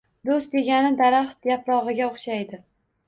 Do’st degani daraxt yaprog’iga o’xshaydi.